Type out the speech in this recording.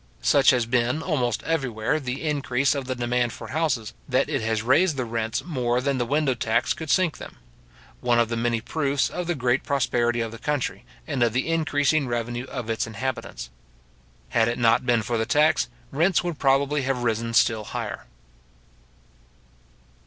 Such has been, almost everywhere, the increase of the demand for houses, that it has raised the rents more than the window tax could sink them; one of the many proofs of the great prosperity of the country, and of the increasing revenue of its inhabitants. Had it not been for the tax, rents would probably have risen still higher.